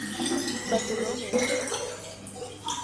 But the romance is over.